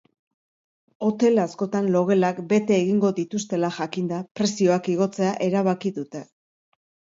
Hotel askotan logelak bete egingo dituztela jakinda, prezioak igotzea erabaki dute.